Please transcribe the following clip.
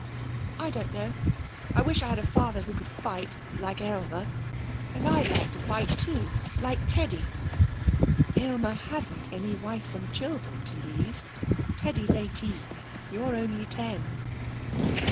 'I don't know. I wish I had a father who could fight, like Aylmer. And I'd like to fight too, like Teddy.' 'Aylmer hasn't any wife and children to leave. Teddy's eighteen; you're only ten.'